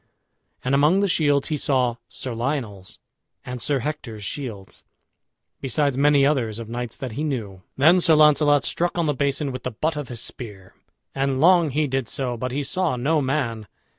And among the shields he saw Sir Lionel's and Sir Hector's shields, besides many others of knights that he knew. Then Sir Launcelot struck on the basin with the butt of his spear; and long he did so, but he saw no man.